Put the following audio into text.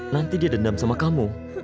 nanti dia dendam sama kamu